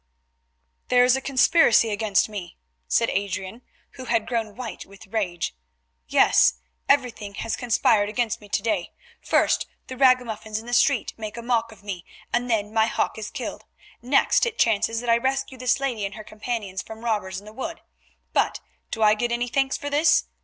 "There is a conspiracy against me," said Adrian, who had grown white with rage; "yes, everything has conspired against me to day. First the ragamuffins in the street make a mock of me, and then my hawk is killed. Next it chances that I rescue this lady and her companions from robbers in the wood. But, do I get any thanks for this?